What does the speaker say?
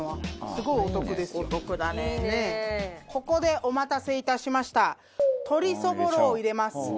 ここでお待たせいたしました鶏そぼろを入れます。